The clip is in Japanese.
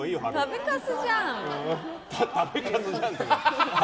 食べかすじゃん！